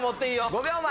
５秒前！